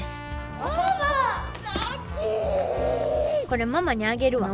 これママにあげるわ。